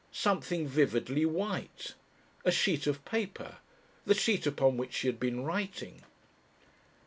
Something vividly white! A sheet of paper the sheet upon which she had been writing!